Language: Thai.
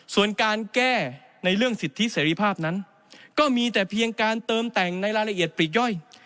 ส่วนการแก้ในเรื่องสิทธิเสรีภาพนั้นก็มีแต่เพียงการเติมแต่งในรายละเอียดปลีกย่อย